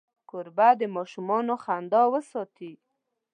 کوربه د ماشومانو خندا وساتي.